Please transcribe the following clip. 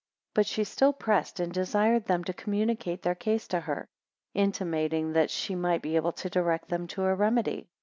12 But she still pressed and desired them to communicate their case to her; intimating, that she might be able to direct them to a remedy.